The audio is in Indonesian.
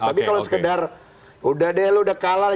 tapi kalau sekedar udah deh lo udah kalah